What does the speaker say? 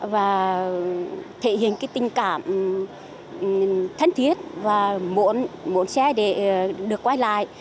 và thể hiện cái tình cảm thân thiết và muốn xe để được quay lại